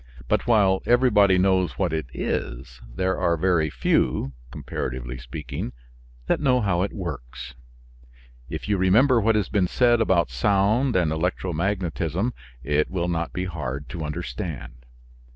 But while everybody knows what it is, there are very few (comparatively speaking) that know how it works. If you remember what has been said about sound and electromagnetism it will not be hard to understand.